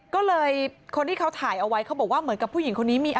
ก็เลยคนที่เขาถ่ายเอาไว้เขาบอกว่าเหมือนกับผู้หญิงคนนี้มี